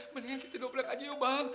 mendingan kita duduk belakang aja ya bang